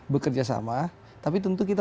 bekerja sama tapi tentu kita